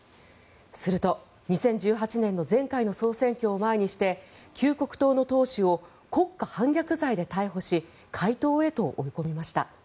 すると、２０１８年の前回の総選挙を前にして救国党の党首を国家反逆罪で逮捕し解党へと追い込みました。